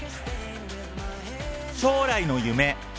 将来の夢。